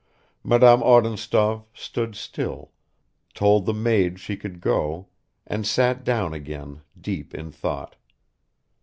Madame Odintsov stood still, told the maid she could go, and sat down again deep in thought.